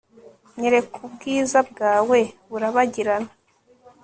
Nyerekubgiza bgawe burabagirana